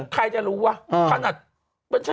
ใครจะรู้วะขนาด